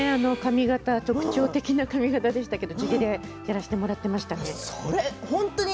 特徴的な髪形でしたけれど地毛でやらせてもらっていました。